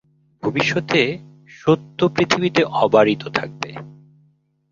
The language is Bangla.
ভবিষ্যতে সত্য পৃথিবীতে অবারিত থাকবে।